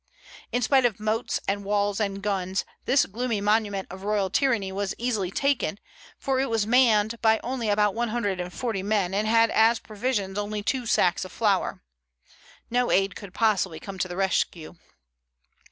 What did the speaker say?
In spite of moats and walls and guns, this gloomy monument of royal tyranny was easily taken, for it was manned by only about one hundred and forty men, and had as provisions only two sacks of flour. No aid could possibly come to the rescue.